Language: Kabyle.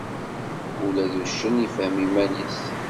Ula d uccen ifhem iman-is.